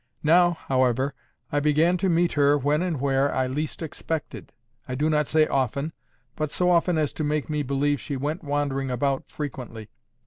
Now, however, I began to meet her when and where I least expected—I do not say often, but so often as to make me believe she went wandering about frequently.